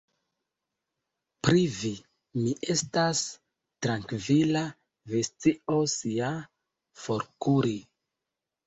Pri vi, mi estas trankvila: vi scios ja forkuri.